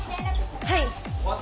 はい。